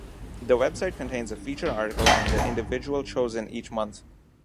The website contains a feature article on the individual chosen each month.